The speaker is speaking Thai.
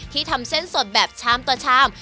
ทำเส้นสดแบบชามต่อชาม